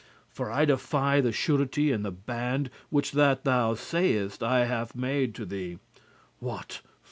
For I defy the surety and the band, Which that thou sayest I have made to thee. What?